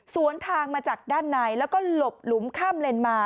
สวนทางมาจากด้านในแล้วก็หลบหลุมข้ามเลนมา